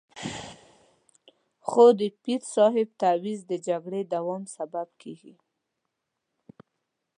خو د پیر صاحب تعویض د جګړې دوام سبب کېږي.